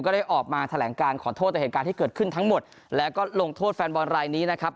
ได้ออกมาแถลงการขอโทษต่อเหตุการณ์ที่เกิดขึ้นทั้งหมดแล้วก็ลงโทษแฟนบอลรายนี้นะครับ